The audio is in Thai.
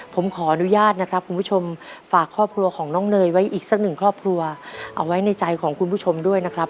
ผมขออนุญาตนะครับคุณผู้ชมฝากครอบครัวของน้องเนยไว้อีกสักหนึ่งครอบครัวเอาไว้ในใจของคุณผู้ชมด้วยนะครับ